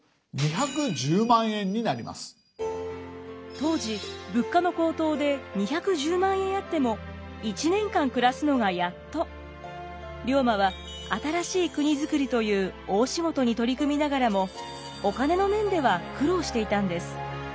当時物価の高騰で２１０万円あっても龍馬は新しい国づくりという大仕事に取り組みながらもお金の面では苦労していたんです。